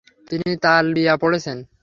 তিনি তালবিয়া পড়ছেন।